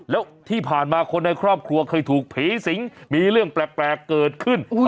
แล้วที่ผ่านมาคนในครอบครัวเคยถูกผีสิงมีเรื่องแปลกเกิดขึ้น